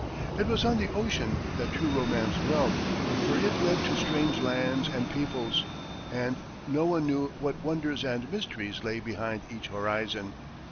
It was on the ocean that true romance dwelt, for it led to strange lands and peoples, and no one knew what wonders and mysteries lay behind each horizon.